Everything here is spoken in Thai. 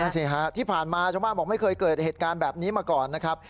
สิฮะที่ผ่านมาชาวบ้านบอกไม่เคยเกิดเหตุการณ์แบบนี้มาก่อนนะครับ